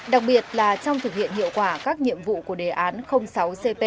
đặc biệt là trong thực hiện hiệu quả các nhiệm vụ của đề án sáu cp